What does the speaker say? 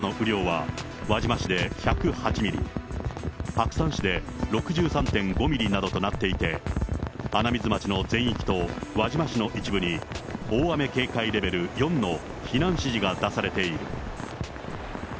降り始めからの雨量は、輪島市で１０８ミリ、白山市で６３．５ミリなどとなっていて、穴水町の全域と、輪島市の一部に、大雨警戒レベル４の避難指示が出されている。